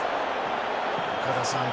岡田さん